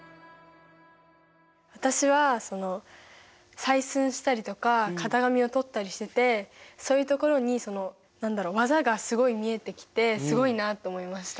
私はその採寸したりとか型紙をとったりしててそういうところに何だろう技がすごい見えてきてすごいなと思いました。